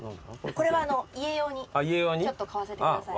これは家用にちょっと買わせてください。